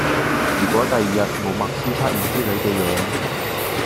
如果第二日冇默書測驗之類嘅野